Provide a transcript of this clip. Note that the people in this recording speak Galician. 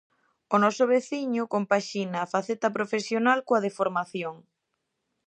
O noso veciño compaxina a faceta profesional coa de formación.